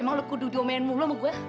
emang lu kudu diomongin lu sama gua